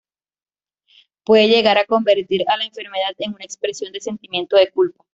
Puede llegar a convertir a la enfermedad en una expresión de sentimiento de culpa.